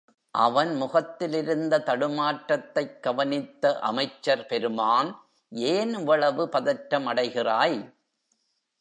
அவன் முகத்திலிருந்த தடுமாற்றத்தைக் கவனித்த அமைச்சர் பெருமான், ஏன் இவ்வளவு பதற்றமடைகிறாய்?